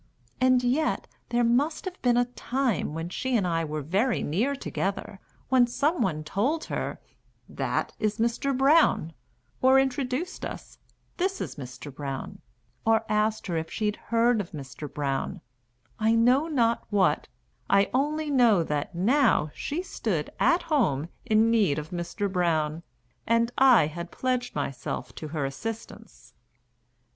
And yet there must have been a time When she and I were very near together, When some one told her, "That is Mr. Brown," Or introduced us "This is Mr. Brown," Or asked her if she'd heard of Mr. Brown; I know not what, I only know that now She stood At Home in need of Mr. Brown, And I had pledged myself to her assistance.